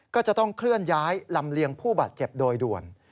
ก็จะต้องเคลื่อนย้ายลำเลียงผู้บาดเจ็บโดยด่วน